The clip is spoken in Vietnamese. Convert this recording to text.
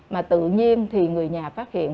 mà tự nhiên thì người nhà phát hiện